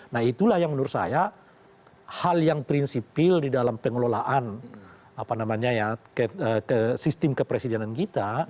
nah itulah yang menurut saya hal yang prinsipil di dalam pengelolaan sistem kepresidenan kita